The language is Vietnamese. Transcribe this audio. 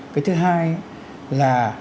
cái thứ hai là